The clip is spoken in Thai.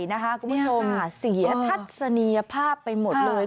คุณผู้ชมเสียทัศนียภาพไปหมดเลย